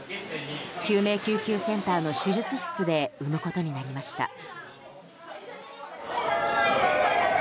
救命救急センターの手術室で産むことになりました。